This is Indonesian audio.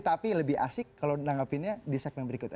tapi lebih asik kalau menanggapinya di segmen berikutnya